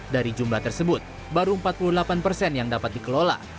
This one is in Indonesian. dari jumlah tersebut baru empat puluh delapan persen yang dapat dikelola